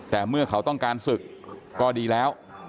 แต่เมื่อเขาต้องการศึกก็ดีแล้ว